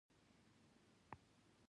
بزګر ته زرغونوالی برکت ښکاري